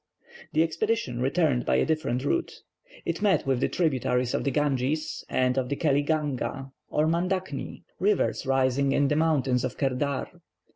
The expedition returned by a different route. It met with the tributaries of the Ganges, and of the Keli Ganga, or Mandacni, rivers rising in the Mountains of Kerdar.